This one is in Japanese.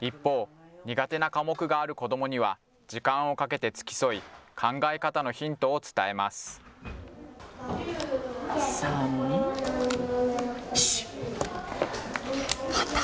一方、苦手な科目がある子どもには時間をかけて付き添い、考え方のヒン３、４、分かった。